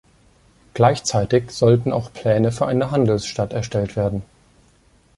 Gleichzeitig sollten auch Pläne für eine Handelsstadt erstellt werden.